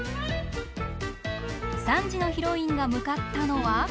３時のヒロインが向かったのは。